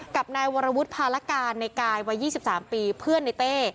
กับนายวรวุฒิภารการในกายวัย๒๓ปีเพื่อนในเต้